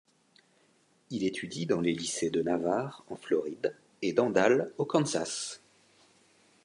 Il étudie dans les lycées de Navarre, en Floride, et d'Andale, au Kansas.